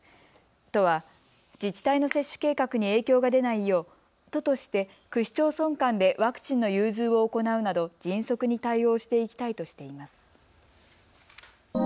都は自治体の接種計画に影響が出ないよう都として区市町村間でワクチンの融通を行うなど迅速に対応していきたいとしています。